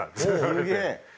すげえ！